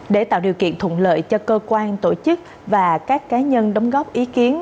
để tạo điều kiện thuận lợi cho cơ quan tổ chức và các cá nhân đóng góp ý kiến